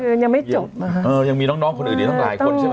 ยังไม่จบนะคะเออยังมีน้องน้องคนอื่นอีกตั้งหลายคนใช่ไหม